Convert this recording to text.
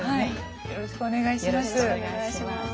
よろしくお願いします。